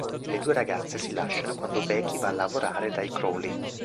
Le due ragazze si lasciano quando Becky va a lavorare dai Crawley.